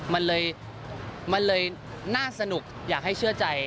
มันเลยมันเลยน่าสนุกอยากให้เชื่อใจ